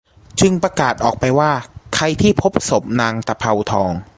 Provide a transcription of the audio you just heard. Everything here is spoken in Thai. จึงประกาศออกไปว่าใครที่พบศพนางตะเภาทอง